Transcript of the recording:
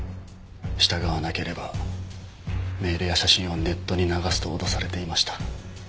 従わなければメールや写真をネットに流すと脅されていました。